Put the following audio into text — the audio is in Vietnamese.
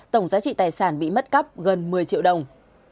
tổng giá trị tài sản bị mất cắp gần một mươi triệu đồng